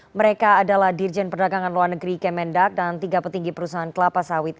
mereka adalah dirjen perdagangan luar negeri kemendak dan tiga petinggi perusahaan kelapa sawit